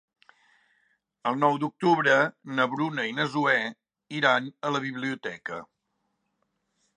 El nou d'octubre na Bruna i na Zoè iran a la biblioteca.